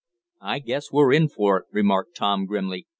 "I guess we're in for it," remarked Tom grimly.